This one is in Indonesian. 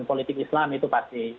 politik islam itu pasti